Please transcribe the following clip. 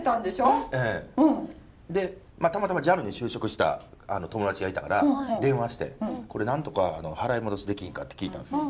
たまたまＪＡＬに就職した友達がいたから電話してこれなんとか払い戻しできんかって聞いたんですよ。